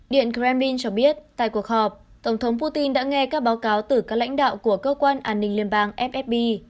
điện kremlin cho biết tại cuộc họp tổng thống putin đã nghe các báo cáo từ các lãnh đạo của cơ quan an ninh liên bang fsb